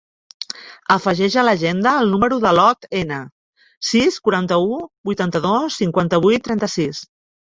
Afegeix a l'agenda el número de l'Ot Ene: sis, quaranta-u, vuitanta-dos, cinquanta-vuit, trenta-sis.